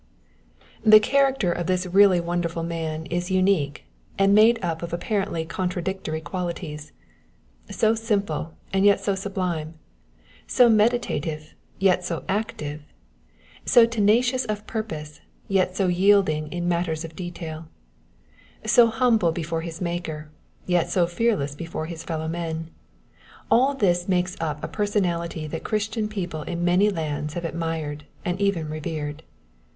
The character of this really wonderful man is unique, and made up of apparently contradictory qualities. So simple and yet so sublime; so meditative, yet so active; so tenacious of purpose, yet so yielding in matters of detail; so humble before his Maker, yet so fearless before his fellowmen—all this makes up a personality that Christian people in many lands have admired and even revered.